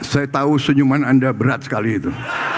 saya tahu senyuman anda berat sekali itu